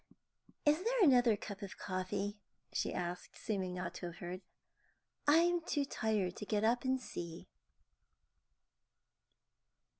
"Is there another cup of coffee?" she asked, seeming not to have heard. "I'm too tired to get up and see."